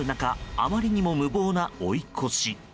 あまりにも無謀な追い越し。